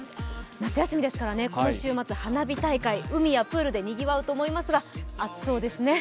夏休みですから、この週末花火大会海やプールでにぎわうと思いますが、暑そうですね。